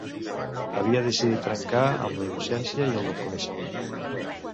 Havia decidit trencar amb la innocència i el desconeixement.